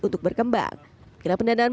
untuk berkembang karena pendanaan